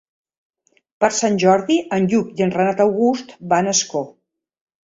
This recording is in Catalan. Per Sant Jordi en Lluc i en Renat August van a Ascó.